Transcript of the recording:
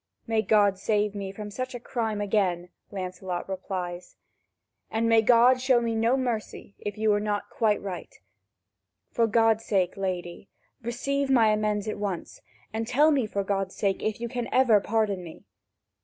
"May God save me from such a crime again," Lancelot replies, "and may God show me no mercy, if you were not quite right! For God's sake, lady, receive my amends at once, and tell me, for God's sake, if you can ever pardon me."